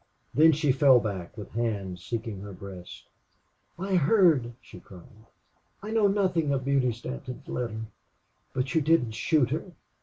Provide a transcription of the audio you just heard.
Then she fell back with hands seeking her breast. "I heard!" she cried. "I know nothing of Beauty Stanton's letter.... But you didn't shoot her.